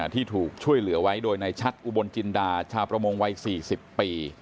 ที่ถูกช่วยเหลือไว้โดยในชัดอุบลจินดาชาวประมงวัย๔๐ปี